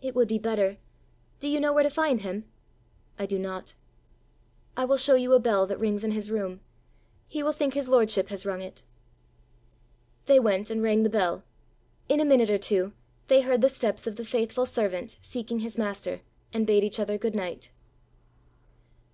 "It would be better. Do you know where to find him?" "I do not." "I will show you a bell that rings in his room. He will think his lordship has rung it." They went and rang the bell. In a minute or two they heard the steps of the faithful servant seeking his master, and bade each other good night.